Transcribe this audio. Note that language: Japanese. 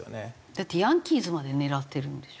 だってヤンキースまで狙ってるんでしょ？